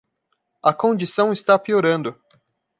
A condição está piorando